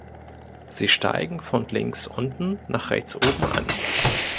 Sie steigen von links unten nach rechts oben an.